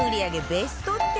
ベスト１０